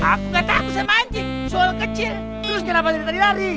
aku kata aku saya mancing soal kecil terus kenapa diri tadi lari